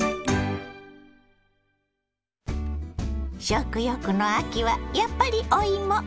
食欲の秋はやっぱりお芋！